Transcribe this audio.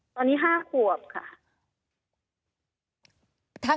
ตอนนี้๕ขวบค่ะ